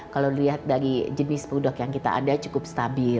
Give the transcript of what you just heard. kalau dilihat dari jenis pudok yang kita ada cukup stabil